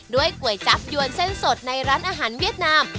ก๋วยจับยวนเส้นสดในร้านอาหารเวียดนาม